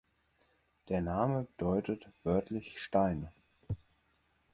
Der Name bedeutet wörtlich "Stein".